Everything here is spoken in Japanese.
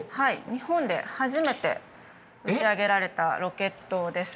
日本で初めて打ち上げられたロケットです。